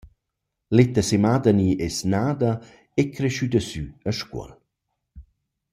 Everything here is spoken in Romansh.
Leta Semadeni es nada e creschüda sü a Scuol.